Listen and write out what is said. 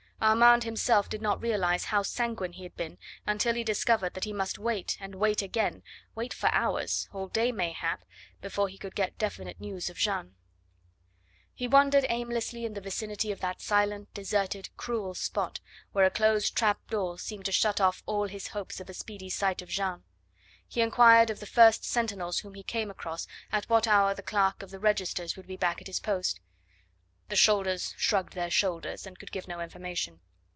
Armand himself did not realise how sanguine he had been until he discovered that he must wait and wait again wait for hours, all day mayhap, before he could get definite news of Jeanne. He wandered aimlessly in the vicinity of that silent, deserted, cruel spot, where a closed trapdoor seemed to shut off all his hopes of a speedy sight of Jeanne. He inquired of the first sentinels whom he came across at what hour the clerk of the registers would be back at his post; the soldiers shrugged their shoulders and could give no information.